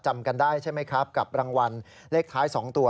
จำกันได้ใช่ไหมครับกับรางวัลเลขท้าย๒ตัว